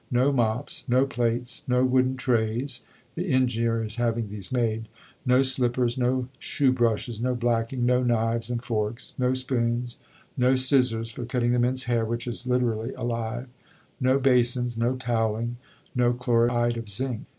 No mops, no plates, no wooden trays (the engineer is having these made), no slippers, no shoe brushes, no blacking, no knives and forks, no spoons, no scissors (for cutting the men's hair, which is literally alive), no basins, no towelling, no chloride of zinc."